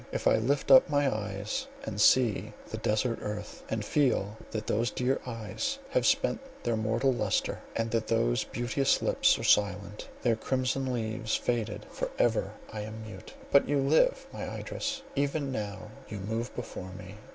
If I lift up my eyes and see the desart earth, and feel that those dear eyes have spent their mortal lustre, and that those beauteous lips are silent, their "crimson leaves" faded, for ever I am mute! But you live, my Idris, even now you move before me!